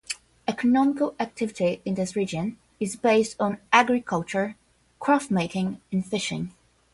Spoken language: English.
Economical activity in this region is based on agriculture, craft-making and fishing.